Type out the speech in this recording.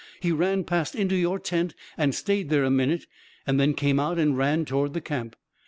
He ran past into your tent and stayed there a minute, and then came out and ran toward the camp